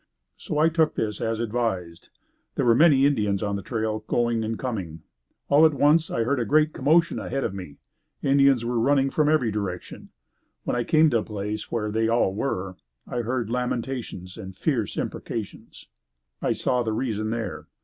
So I took this as advised. There were many Indians on the trail going and coming. All at once I heard a great commotion ahead of me. Indians were running from every direction. When I came to the place where they all were, I heard lamentations and fierce imprecations. I saw the reason there.